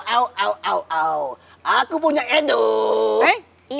au au au aku punya eduk